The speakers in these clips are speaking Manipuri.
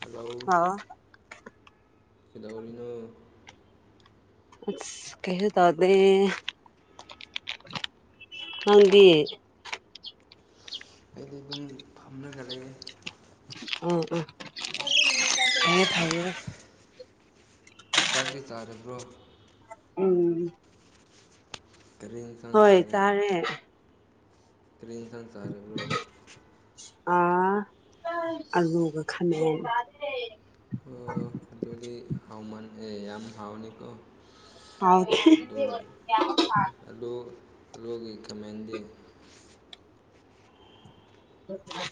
ꯍꯜꯂꯣ ꯑꯥꯎ ꯀꯗꯧꯔꯤꯅꯣ ꯀꯩꯁꯨ ꯇꯧꯗꯦ ꯅꯪꯗꯤ ꯑꯩꯗꯤ ꯑꯗꯨꯝ ꯐꯝꯂꯒ ꯂꯩꯌꯦ [unintelligible] ꯆꯥꯛꯇꯤ ꯆꯥꯔꯕ꯭ꯔꯣ ꯎꯝ ꯀꯔꯤ ꯏꯟ ꯍꯣꯏ ꯆꯥꯔꯦ ꯀꯔꯤ ꯏꯟꯖꯥꯡ ꯆꯥꯔꯕꯔꯣ ꯑꯥ ꯑꯜꯂꯨꯒ ꯈꯥꯃꯦꯟꯒ ꯎꯝ ꯑꯗꯨꯗꯤ ꯍꯥꯎꯃꯟꯈꯔꯦ ꯌꯥꯝ ꯍꯥꯎꯔꯅꯤꯀꯣ ꯍꯥꯎꯅꯤ ꯑꯗꯣ ꯑꯂꯨꯒꯤ ꯈꯃꯦꯟꯗꯤ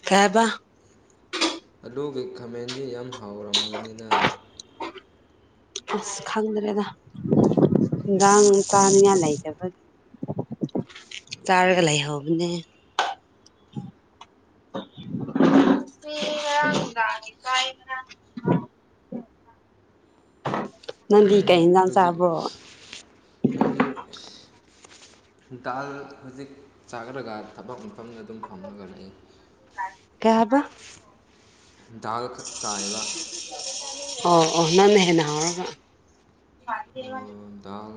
ꯀꯩ ꯍꯥꯏꯕ ꯑꯗꯨꯒꯤ ꯈꯃꯦꯟꯗꯤ ꯌꯥꯝ ꯍꯥꯎꯔꯝꯒꯅꯤꯅ ꯑꯁ ꯈꯪꯗ꯭ꯔꯦꯗ ꯏꯟꯖꯥꯡ ꯆꯥꯅꯤꯡꯉꯥꯏ ꯂꯩꯇꯕꯒꯤ ꯆꯥꯔꯒ ꯂꯩ ꯍꯧꯕꯅꯦ ꯎꯝ ꯉꯔꯥꯡ ꯅꯨꯡꯗꯥꯡ ꯀꯥꯏ ꯅꯪꯗꯤ ꯀꯩ ꯏꯟꯖꯥꯡ ꯍꯧꯖꯤꯛ ꯆꯥꯕ꯭ꯔꯣ ꯍꯥꯏꯗꯤ ꯗꯥꯜ ꯍꯧꯖꯤꯛ ꯆꯥꯈꯔꯒ ꯊꯕꯛ ꯃꯐꯝꯗ ꯑꯗꯨꯝ ꯐꯝꯃꯒ ꯂꯩꯌꯦ ꯀꯩ ꯍꯥꯏꯕ ꯗꯥꯜ ꯈꯛ ꯆꯥꯏꯕ ꯑꯣ ꯑꯣ ꯅꯪꯅ ꯍꯦꯅ ꯍꯥꯎꯔꯒ ꯗꯥꯜ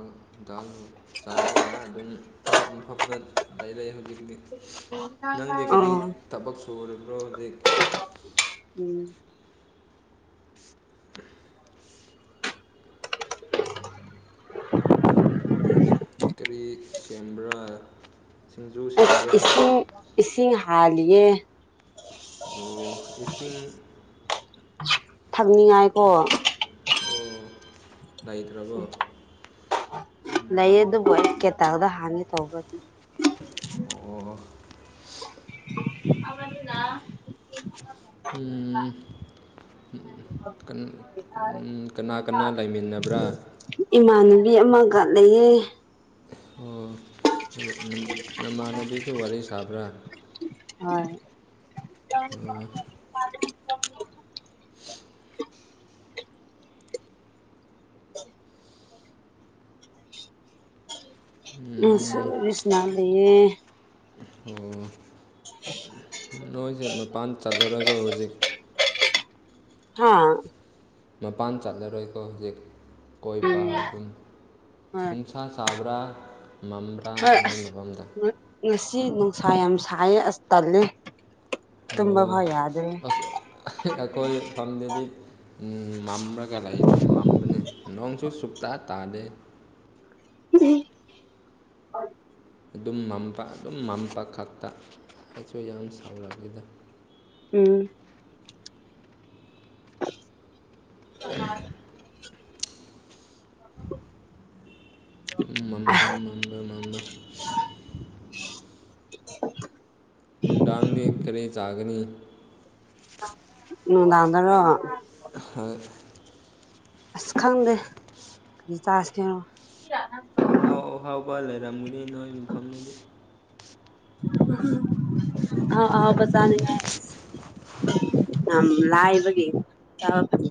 ꯗꯥꯜ ꯆꯥꯔꯒ ꯑꯗꯨꯝ ꯊꯕꯛ ꯃꯐꯞꯗ ꯂꯩꯔꯦ ꯍꯧꯖꯤꯛꯇꯤ ꯅꯪꯗꯤ ꯑꯣ ꯀꯔꯤ ꯎꯝ ꯊꯕꯛ ꯁꯨꯔꯕ꯭ꯔꯣ ꯍꯧꯖꯤꯛ ꯎꯝ [unintelligible] ꯀꯔꯤ ꯁꯦꯝꯕ꯭ꯔꯥ ꯁꯤꯡꯖꯨ ꯁꯦꯝꯕ꯭ꯔꯥ ꯏꯁꯤꯡ ꯏꯁꯤꯡ ꯍꯥꯜꯂꯤꯌꯦ ꯍꯣ ꯏꯆꯦ ꯊꯛꯅꯤꯡꯉꯥꯏꯀꯣ ꯑꯣ ꯂꯩꯇ꯭ꯔꯕꯣ ꯂꯩꯌꯦ ꯑꯗꯨꯕꯨ ꯑꯩ ꯀꯦꯇꯜꯗ ꯍꯥꯟꯒꯦ ꯇꯧꯕꯅꯤ ꯑꯣ ꯑꯗꯨꯅ [unintelligible] [unintelligible] ꯎꯝ ꯀꯅꯥ ꯀꯅꯥ ꯂꯩꯃꯤꯟꯅꯕ꯭ꯔꯥ ꯏꯃꯥꯟꯅꯕꯤ ꯑꯃꯒ ꯂꯩꯌꯦ ꯑꯣ ꯅꯃꯥꯟꯅꯕꯤꯁꯨ ꯋꯥꯔꯤ ꯁꯥꯕ꯭ꯔꯥ ꯍꯣꯏ ꯑꯣ [unintelligible] [unintelligible] [unintelligible] [unintelligible] [unintelligible] ꯂꯩꯌꯦ ꯑꯣ [unintelligible] ꯅꯣꯏꯁꯦ ꯃꯄꯥꯟ ꯆꯠꯂꯥꯔꯣꯏ ꯍꯧꯖꯤꯛ ꯍꯥꯥ ꯃꯄꯥꯟ ꯆꯠꯂꯔꯣꯏꯀꯣ ꯍꯧꯖꯤꯛ ꯀꯣꯏꯕ ꯎꯝ ꯑꯗꯨꯝ ꯍꯣꯏ ꯅꯤꯁꯥ ꯆꯕꯔꯥ ꯃꯝ [unintelligible] ꯍꯣꯏ ꯑꯁ ꯉꯁꯤ ꯅꯨꯡꯁꯥ ꯌꯥꯝ ꯁꯥꯏꯌꯦ ꯑꯁ ꯇꯜꯂꯦ ꯇꯨꯝꯕ ꯐꯥꯎ ꯌꯥꯗ꯭ꯔꯦ ꯑꯣ ꯑꯩꯈꯣꯏ ꯐꯝꯗꯨꯗꯤ ꯎꯝ ꯃꯝꯂꯒ ꯂꯩꯅꯦ ꯃꯝꯕꯅꯤ ꯅꯣꯡꯁꯨ ꯁꯨꯛꯇꯥ ꯇꯥꯗꯦ ꯎꯝ [unintelligible] ꯑꯗꯨꯝ ꯃꯝꯕ ꯑꯗꯨꯝ ꯃꯝꯕ ꯈꯛꯇ ꯑꯩꯁꯨ ꯌꯥꯝ ꯁꯥꯎꯔꯛꯈꯤꯗ ꯎꯝ [inaudible] [unintelligible] ꯃꯝꯕ ꯃꯝꯕ ꯃꯝꯕ [inaudible] [unintelligible] ꯅꯨꯡꯗꯥꯡꯗꯤ ꯀꯔꯤ ꯆꯥꯒꯅꯤ ꯅꯨꯡꯗꯥꯡꯗꯔꯣ ꯍꯣꯏ ꯑꯁ ꯈꯪꯗꯦ ꯀꯔꯤ ꯆꯥꯁꯤ ꯀꯦꯅꯣ ꯑꯍꯥꯎ ꯑꯍꯥꯎꯕ ꯂꯩꯔꯝꯒꯗꯤ ꯅꯣꯏ ꯃꯐꯝꯗꯨꯗꯤ ꯑꯥꯍꯥꯎ ꯑꯥꯍꯥꯎꯕ ꯆꯥꯅꯤꯉꯥꯏ ꯌꯥꯝ ꯂꯥꯏꯕꯒꯤ ꯌꯥ [unintelligible]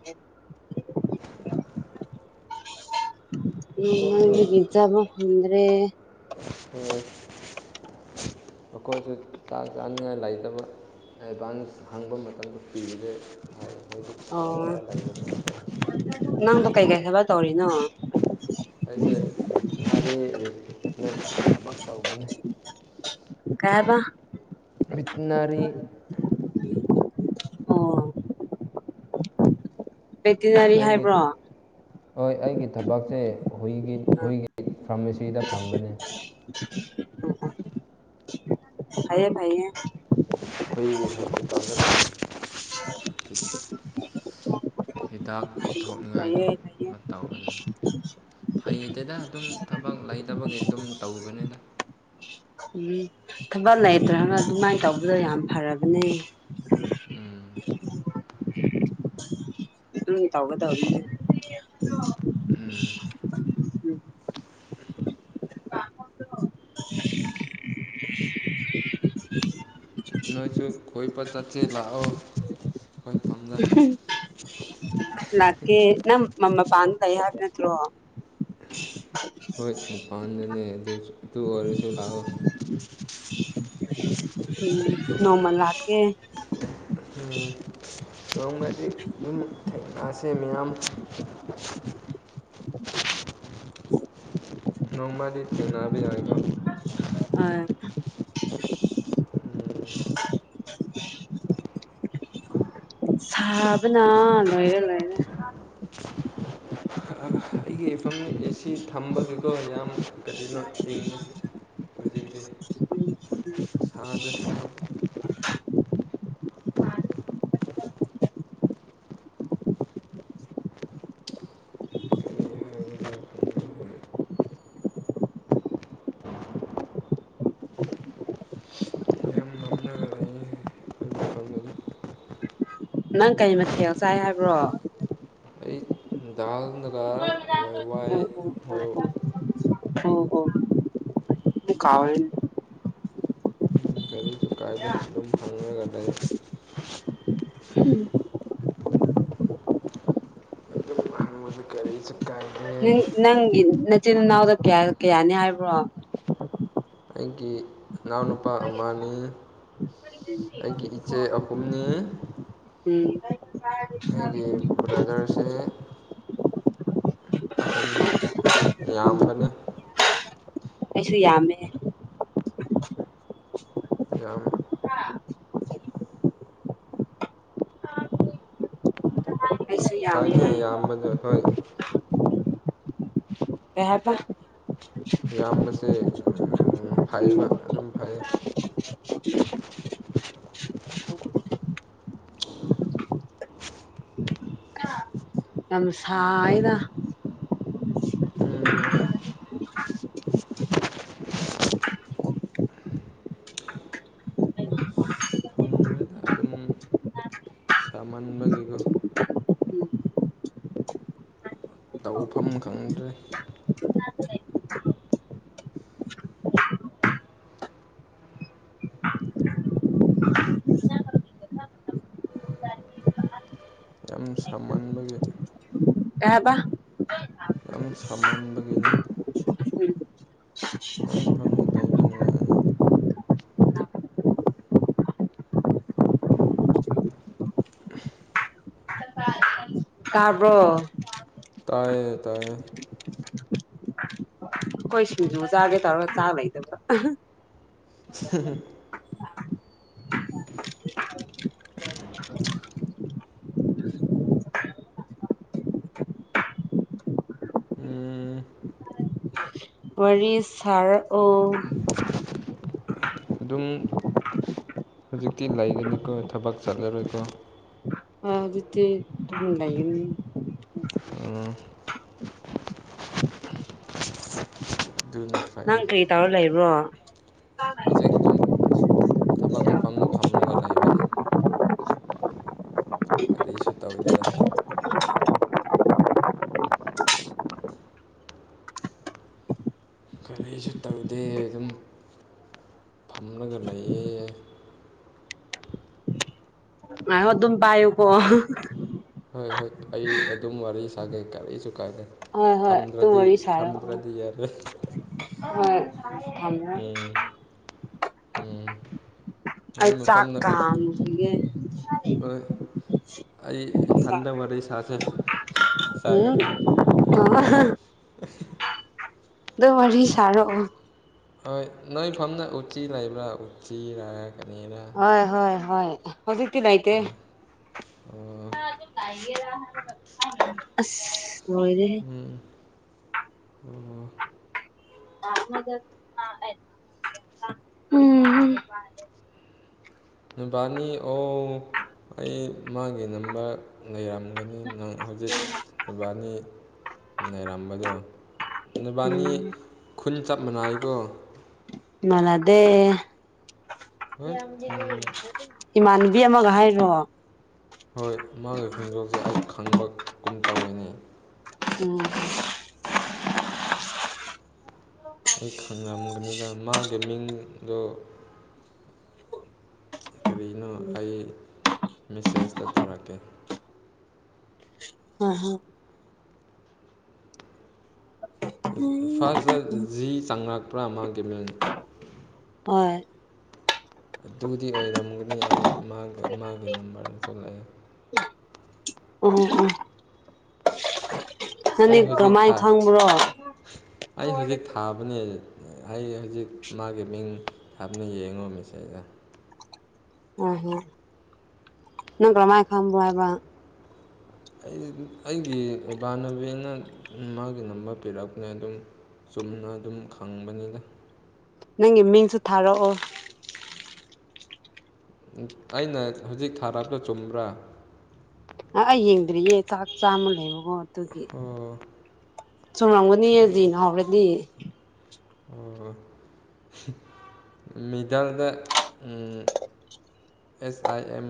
[inaudible] ꯑꯩꯈꯣꯏꯁꯨ [unintelligible] ꯆꯥꯕꯥ ꯐꯪꯗꯔ꯭ꯦ ꯃꯈꯣꯏꯁꯨ ꯆꯥꯛ ꯆꯥꯅꯤꯡꯉꯥꯏ ꯂꯩꯇꯕ ꯑꯦꯗꯚꯥꯟꯁ ꯍꯪꯕ ꯃꯇꯝꯗ ꯄꯤꯔꯦ ꯃꯣꯏꯗꯨ ꯑꯣ ꯐꯥꯎꯔꯒ ꯂꯩꯕꯅꯤ ꯍꯥꯏ ꯅꯪꯗꯣ ꯀꯩꯀꯩ ꯊꯕꯥꯛ ꯇꯧꯔꯤꯅꯣ ꯑꯩꯁꯦ ꯚꯤꯇꯤꯅꯥꯔꯤ ꯅꯦꯠ ꯑꯃ ꯇꯧꯕꯅꯤ ꯀꯩ ꯍꯥꯏꯕꯥ ꯕꯦꯇꯅꯔꯤ ꯑꯣ ꯕꯦꯇꯤꯅꯔꯤ ꯑꯩꯒꯤ ꯍꯥꯏꯕ꯭ꯔꯣ ꯍꯣꯏ ꯑꯩꯒꯤ ꯊꯕꯛꯁꯦ ꯍꯨꯏꯒꯤ ꯍꯨꯏꯒꯤ ꯐꯥꯔꯃꯥꯁꯤꯗ ꯐꯝꯕꯅꯦ ꯊꯝ ꯍꯥꯏꯥꯏꯌꯦ ꯐꯥꯏꯌꯦ ꯑꯩꯈꯣꯏꯒꯤ [inaudible] ꯍꯤꯗꯥꯛ ꯄꯤꯊꯣꯛꯅꯤꯡꯉꯥꯏꯗꯨ ꯐꯩꯌꯦ ꯐꯩꯌꯦ ꯇꯧꯕꯅꯤ ꯐꯩꯗꯗ ꯑꯗꯨꯝ ꯊꯕꯛ ꯂꯩꯇꯕꯒꯤ ꯑꯗꯨꯝ ꯇꯧꯕꯅꯤꯅ ꯎꯝ ꯊꯕꯛ ꯂꯩꯇ꯭ꯔꯕ ꯑꯗꯨꯃꯥꯏꯅ ꯇꯧꯕꯗꯣ ꯌꯥꯝ ꯐꯔꯕꯅꯦ ꯎꯝ ꯎꯝ ꯇꯧꯒꯗꯧꯅꯦ ꯎꯝ [inaudible] ꯅꯣꯏꯁꯨ ꯈꯣꯏꯄ ꯆꯠꯁꯦ ꯂꯥꯛꯑꯣ ꯐꯝꯗ [unintelligible] ꯂꯥꯛꯀꯦ ꯅꯪ ꯃꯃꯄꯥꯟꯗ ꯂꯩ ꯍꯥꯏꯕ ꯅꯠꯇ꯭ꯔꯣ [inaudible] ꯍꯣꯏ ꯃꯄꯥꯟꯗꯅꯦ ꯑꯗꯨ ꯑꯗꯨ ꯑꯣꯏꯔꯁꯨ ꯂꯥꯛꯎ ꯅꯣꯡꯃ ꯂꯥꯛꯀꯦ ꯎꯝ ꯅꯣꯡꯃꯗꯤ [inaudible] ꯃꯌꯥꯝ ꯅꯣꯡꯃꯗꯤ ꯊꯦꯡꯅꯕ ꯌꯥꯏꯀꯣ ꯑ ꯎꯝ ꯁꯥꯕꯅ ꯂꯣꯏꯔꯦ ꯂꯣꯏꯔꯦ ꯑꯩꯒꯤ ꯏꯐꯝꯗ ꯑꯦꯁꯤ ꯊꯝꯕꯒꯤꯀꯣ ꯌꯥꯝ ꯀꯔꯤꯅꯣ ꯏꯪꯉꯦ ꯍꯧꯖꯤꯛꯗꯤ ꯎꯝ ꯁꯥꯗ꯭ꯔꯦ [inaudible] ꯀꯔꯤ ꯍꯥꯏꯒꯗ꯭ꯔꯥ ꯈꯪꯗꯦ ꯌꯥꯝ ꯃꯝꯂꯒ ꯂꯩꯌꯦ ꯑꯩ ꯃꯐꯝꯗꯗꯤ ꯅꯪ ꯀꯩ ꯃꯊꯦꯜ ꯆꯥꯏ ꯍꯥꯏꯕ꯭ꯔꯣ ꯑꯩ ꯗꯥꯜꯅꯒ ꯍꯋꯥꯏ ꯑꯣ ꯋꯥꯏ ꯑꯣ [inaudible] ꯎꯝ ꯒꯔꯤ ꯀꯩꯁꯨ ꯀꯥꯏꯗ ꯑꯗꯨꯝ [inaudible] ꯑꯗꯨꯝ ꯍꯪꯕꯁꯨ ꯀꯔꯤꯁꯨ ꯀꯥꯏꯗꯦ ꯅꯪꯒꯤ ꯅꯆꯤꯟ ꯏꯅꯥꯎꯗ ꯀꯌꯥ ꯀꯌꯥꯅꯤ ꯍꯥꯏꯕ꯭ꯔꯣ ꯑꯩꯒꯤ ꯏꯅꯥꯎꯅꯨꯄꯥ ꯑꯃꯅꯤ ꯑꯩꯒꯤ ꯏꯆꯦ ꯑꯍꯨꯝꯅꯤ ꯎꯝ ꯑꯩꯒꯤ ꯕ꯭ꯔꯗꯔꯁꯦ ꯑꯍꯨꯝꯅꯤ ꯌꯥꯝꯕꯅꯦ ꯑꯩꯁꯨ ꯌꯥꯝꯃꯦ ꯌꯥꯝ ꯑꯩꯁꯨ ꯌꯥꯝꯃꯦ ꯍꯥꯏꯅ ꯌꯥꯝꯕꯅꯦ ꯍꯣꯏ ꯀꯩꯍꯥꯏꯕ ꯌꯥꯝꯕꯁꯦ ꯐꯩꯌꯦꯕ ꯎꯝ ꯑꯗꯨꯝ ꯐꯩ ꯌꯥꯝ ꯁꯥꯏꯗ ꯎꯝ ꯐꯪꯒ꯭ꯔꯦꯗ ꯑꯗꯨꯝ ꯁꯥꯃꯟꯕꯒꯤꯀꯣ ꯎꯝ ꯇꯧꯐꯝ ꯈꯪꯗ꯭ꯔꯦ ꯌꯥꯝ ꯁꯃꯟꯕꯒꯤ [unintelligible] ꯌꯥꯝ ꯁꯥꯃꯟꯕꯒꯤꯅꯦ ꯎꯝ ꯅꯪ ꯃꯐꯝꯗ ꯂꯩꯥꯕ ꯅꯨꯡꯉꯥꯏꯅꯤ ꯇꯥꯕ꯭ꯔꯣ ꯇꯥꯏꯌꯦ ꯇꯥꯏꯌꯦ ꯑꯩꯈꯣꯏ ꯁꯤꯡꯖꯨ ꯆꯥꯒꯦ ꯇꯧꯔꯒ ꯆꯥ ꯂꯩꯇꯕ [inaudible] ꯎꯝ ꯋꯥꯔꯤ ꯁꯥꯔꯛꯑꯣ ꯑꯗꯨꯝ ꯍꯧꯖꯤꯛꯇꯤ ꯂꯩꯒꯅꯤꯀꯣ ꯊꯕꯛ ꯆꯠꯂꯔꯣꯏꯀꯣ ꯑ ꯍꯧꯖꯤꯛꯇꯤ ꯑꯗꯨꯝ ꯂꯩꯥꯒꯅꯤ ꯎꯝ ꯑꯗꯨꯅ ꯐꯩꯌꯦ ꯅꯪ ꯀ꯭ꯔꯤ ꯇꯧꯔ ꯂꯩꯕ꯭ꯔꯣ ꯍꯧꯖꯤꯛ ꯑꯗꯨꯝ ꯊꯕꯛ ꯃꯐꯝꯗ ꯐꯝꯂꯒ ꯂꯩꯕꯅꯦ ꯀꯔꯤꯁꯨ ꯇꯧꯗꯦꯗ ꯀꯔꯤꯁꯨ ꯇꯧꯗꯦ ꯑꯗꯨꯝ ꯐꯝꯂꯒ ꯂꯩꯌꯦ ꯉꯥꯏꯈꯣ ꯑꯗꯨꯝ ꯄꯥꯏꯌꯨ ꯀꯣ ꯍꯣꯏ ꯍꯣꯏ ꯑꯩ ꯑꯗꯨꯝ ꯋꯥꯔꯤ ꯁꯥꯒꯦ ꯀꯔꯤꯁꯨ ꯀꯥꯏꯗꯦ ꯍꯣꯏ ꯍꯣꯏ ꯑꯗꯨꯝ ꯊꯝꯗ꯭ꯔꯗꯤ ꯋꯥꯔꯤ ꯁꯥꯔꯛꯑꯣ ꯊꯝꯗ꯭ꯔꯗꯤ ꯌꯥꯗꯦ ꯍꯣꯏ [unintelligible] ꯎꯝ ꯎꯝ ꯑꯩ ꯅꯣꯏ ꯆꯥꯛ ꯃꯐꯝꯗ ꯀꯥꯝꯒꯤꯒꯦ ꯍꯣꯏ ꯑꯩ ꯏꯊꯟꯗ ꯋꯥꯔꯤ ꯁꯥꯁꯦ ꯎꯝ [unintelligible] ꯑꯗꯨꯝ ꯋꯥꯔꯤ ꯁꯥꯔꯛꯑꯣ ꯍꯣꯏ ꯅꯣꯏ ꯐꯝꯅ ꯎꯆꯤ ꯂꯩꯕ꯭ꯔꯥ ꯎꯆꯤꯔ ꯀꯔꯤꯔ ꯍꯣꯏ ꯍꯣꯏ ꯍꯣꯏ ꯍꯧꯖꯤꯛꯇꯤ ꯂꯩꯇꯦ ꯑꯣ [unintelligible] ꯑꯁ ꯂꯣꯏꯔꯦꯍꯦ ꯎꯝ ꯑꯣ [unintelligible] ꯎꯝ ꯍꯝ ꯅꯨꯄꯥꯅꯤ ꯑꯣ ꯑꯩ ꯃꯥꯒꯤ ꯅꯝꯕꯔ ꯂꯩꯔꯝ [unintelligible] ꯅꯪ ꯍꯧꯖꯤꯛ ꯏꯕꯥꯅꯤ ꯅꯩꯔꯝꯕꯗꯣ ꯅꯕꯥꯅꯤ ꯈꯨꯟ ꯆꯞ ꯃꯥꯟꯅꯥꯏꯀꯣ ꯃꯥꯅꯗꯦ ꯍꯣꯏ ꯎꯝ [unintelligible] ꯏꯃꯥꯟꯅꯕꯤ ꯑꯃꯒ ꯍꯥꯏꯔꯣ ꯍꯣꯏ ꯃꯥꯒꯤ ꯈꯣꯡꯖꯣꯜꯁꯦ ꯑꯩ ꯈꯪꯕꯒꯨꯝ ꯇꯧꯋꯦꯅꯦ ꯑꯣ ꯑꯩ ꯈꯪꯉꯝꯒꯅꯤꯗ ꯃꯥꯒꯤ ꯃꯤꯡꯗꯣ ꯀꯔꯤꯅꯣ ꯑꯩ ꯃꯦꯁꯦꯖꯇ ꯊꯥꯔꯛꯀꯦ ꯍꯣꯏ ꯍꯣꯏ ꯐꯥꯔꯁꯇ ꯖꯤ ꯆꯡꯉꯛꯄ꯭ꯔꯥ ꯃꯥꯒꯤ ꯃꯤꯡ ꯍꯣꯏ ꯑꯗꯨꯗꯤ ꯑꯣꯏꯔꯝꯒꯅꯤ ꯑꯩ ꯃꯥꯒ ꯃꯥꯒꯤ ꯅꯝꯕꯔ ꯑꯃ ꯊꯣꯛꯂꯛꯑꯦ ꯍꯣꯏ ꯍꯣꯏ ꯑꯩ ꯅꯪꯗꯤ ꯍꯧꯖꯤꯛ ꯀꯔꯝꯃꯥꯏꯅ ꯊꯥꯏ ꯈꯪꯕ꯭ꯔꯣ ꯑꯩ ꯍꯧꯖꯤꯛ ꯊꯥꯕꯅꯦ ꯑꯩ ꯍꯧꯖꯤꯛ ꯃꯥꯒꯤ ꯃꯤꯡ ꯊꯥꯞꯅ ꯌꯦꯡꯉꯣ ꯃꯤꯁꯦꯗ ꯑꯣꯍꯣ ꯅꯪ ꯀꯃꯥꯏ ꯈꯪꯕ꯭ꯔꯣ ꯍꯥꯏꯕ ꯑꯩ ꯑꯩꯒꯤ ꯏꯕꯥꯥꯟꯅꯕꯤꯅ ꯃꯥꯒꯤ ꯅꯝꯕꯔ ꯄꯤꯔꯛꯄꯅꯦ ꯑꯗꯨꯝ ꯆꯨꯝꯅ ꯑꯗꯨꯝ ꯈꯪꯕꯅꯤꯗ ꯅꯪꯒꯤ ꯃꯤꯡꯁꯨ ꯊꯥꯔꯛꯑꯣ ꯑꯩꯅ ꯍꯧꯖꯤꯛ ꯊꯥꯔꯞꯇ ꯆꯨꯝꯕ꯭ꯔꯥ ꯑ ꯑꯩ ꯌꯦꯡꯗ꯭ꯔꯤꯌꯦ ꯆꯥꯛ ꯆꯥꯃ ꯂꯩꯕꯨ ꯑꯣ ꯑꯗꯨꯒꯤ ꯑꯣ ꯆꯨꯝꯔꯝꯒꯅꯤꯌꯦ ꯗꯤꯅ ꯍꯧꯔꯗꯤ ꯑꯣ ꯃꯤꯗꯜꯗ ꯑꯦꯁ ꯑꯥꯏ ꯑꯦꯝ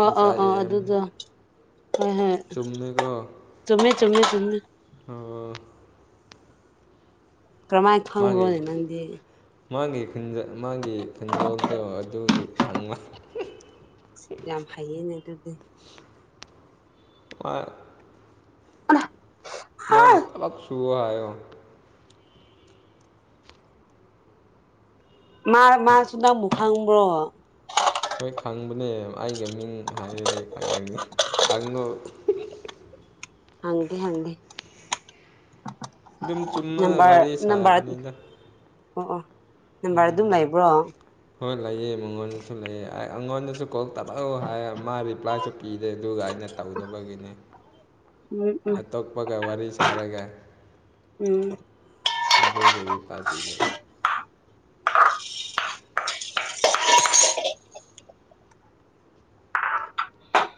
ꯑꯥ ꯑꯦꯁ ꯑꯥ ꯑꯥꯏ ꯑꯥ ꯑꯗꯨꯗ ꯍꯣꯏ ꯍꯣꯏ ꯆꯨꯝꯃꯦꯒꯣ ꯆꯨꯝꯃꯦ ꯆꯨꯝꯃꯦ ꯆꯨꯝꯃꯦ ꯑ ꯀꯔꯝꯃꯥꯏꯅ ꯃꯥꯒꯤ ꯈꯪꯕ꯭ꯔꯣꯅꯦ ꯅꯪꯗꯤ ꯃꯥꯒꯤ ꯈꯨꯟꯗ ꯃꯥꯒꯤ ꯈꯨꯟꯖꯣꯜꯗꯣ ꯑꯗꯨꯒꯤ ꯈꯪꯕ ꯌꯥꯝ ꯐꯩꯌꯦꯅꯦ ꯑꯗꯨꯗꯤ [inaudible] ꯃꯥꯕꯨ [unintelligible] ꯃꯥ ꯃꯥꯁꯨ ꯅꯪꯕꯨ ꯈꯪꯕ꯭ꯔꯣ ꯍꯣꯏ ꯈꯪꯕꯅꯦ ꯑꯩꯒ ꯃꯤꯡ ꯍꯥꯏꯔꯗꯤ ꯈꯪꯒꯅꯤ ꯍꯪꯉꯣ ꯍꯪꯒꯦ ꯍꯪꯒꯦ ꯑꯗꯨꯝ ꯆꯨꯝꯅ ꯅꯝꯕꯔ ꯋꯥꯔꯤ ꯅꯝꯕꯔ ꯁꯥꯕꯅꯤꯗ ꯑꯣ ꯑꯣ ꯅꯝꯕꯔ ꯑꯗꯨꯝ ꯂꯩꯕ꯭ꯔꯣ ꯍꯣꯏ ꯂꯩꯌꯦ ꯃꯉꯣꯟꯗꯁꯨ ꯂꯩꯑꯦ ꯑꯩ ꯑꯩꯉꯣꯟꯗꯁꯨ ꯀꯣꯜ ꯇꯧꯔꯛꯎ ꯍꯥꯏ ꯃꯥ ꯔꯤꯄ꯭ꯂꯥꯏꯁꯨ ꯄꯤꯗꯦ ꯑꯗꯨꯒ ꯑꯩ ꯅ ꯇꯧꯗꯕꯒꯤꯅꯤ ꯎꯝ ꯎꯝ ꯑꯇꯣꯞꯄꯒ ꯋꯥꯔꯤ ꯁꯥꯔꯒ ꯎꯝ ꯑꯗꯨꯒꯤ ꯄꯥꯥꯏꯄꯤꯗꯦꯕ [inaudible]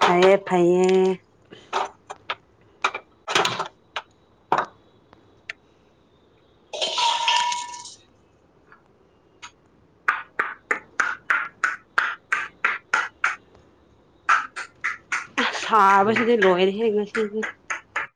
ꯐꯩꯌꯦ ꯐꯩꯌꯦ [inaudible] ꯁꯥꯕ ꯁꯤꯗꯤ ꯂꯣꯏꯔꯦꯍꯦ ꯉꯁꯤꯗꯤ